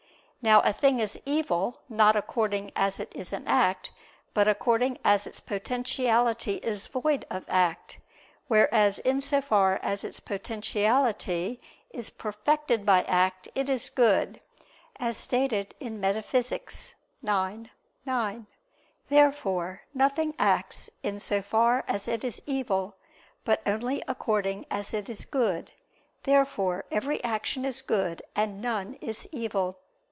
Now a thing is evil, not according as it is in act, but according as its potentiality is void of act; whereas in so far as its potentiality is perfected by act, it is good, as stated in Metaph. ix, 9. Therefore nothing acts in so far as it is evil, but only according as it is good. Therefore every action is good, and none is evil.